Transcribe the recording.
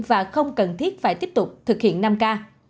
và không cần thiết phải tiếp tục thực hiện năm k